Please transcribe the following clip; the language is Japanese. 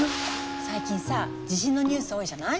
最近さ地震のニュース多いじゃない？